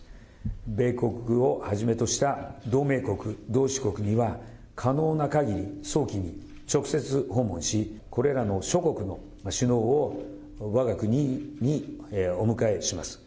米国をはじめとした同盟国、同志国には、可能なかぎり早期に直接訪問し、これらの諸国の首脳をわが国にお迎えします。